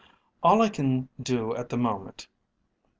"All I can do at the moment.